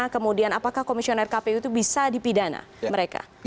kemudian apakah komisioner kpu itu bisa dipidana mereka